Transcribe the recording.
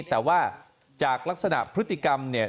แต่ว่าจากลักษณะพฤติกรรมเนี่ย